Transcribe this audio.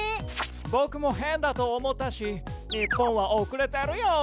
僕も変だと思ったし日本は遅れてるよ！